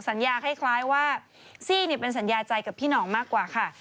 สัญญาคล้ายว่าซี่เป็นสัญญาใจกับพี่หนองมากกว่าค่ะ